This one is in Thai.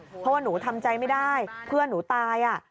เพราะว่าหนูทำใจไม่ได้เพื่อนหนูตาย